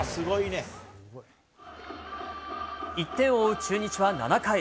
１点を追う中日は７回。